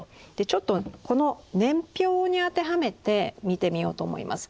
ちょっとこの年表に当てはめて見てみようと思います。